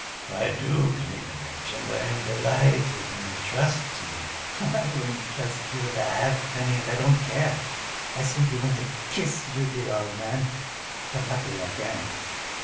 "I do, Klinevitch, and I am delighted, and trust me...." "I wouldn't trust you with a halfpenny, and I don't care. I simply want to kiss you, dear old man, but luckily I can't.